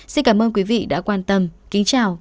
xin cảm ơn quý vị đã quan tâm kính chào và hẹn gặp lại